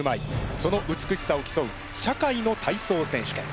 その美しさを競う「社会の体操選手権」。